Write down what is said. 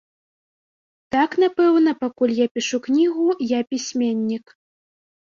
Так, напэўна, пакуль я пішу кнігу, я пісьменнік.